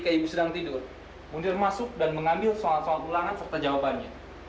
ke ibu sedang tidur mundur masuk dan mengambil soal soal ulangan serta jawabannya